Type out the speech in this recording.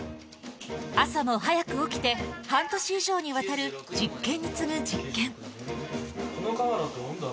朝も早く起きて、半年以上にわたる実験に次ぐ実験。